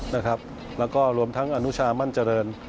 แล้วก็รวมทั้งอนุชามั่นเจริญ